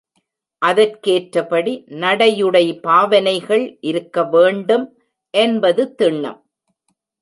அதற்கேற்றபடி நடையுடை பாவனைகள் இருக்க வேண்டும் என்பது திண்ணம்.